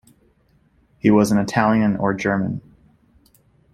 He was an Italian or German.